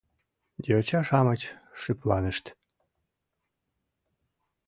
Йоча-шамыч шыпланышт.